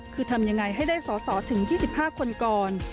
คือทำยังไงให้ได้สอสอถึง๒๕คนก่อน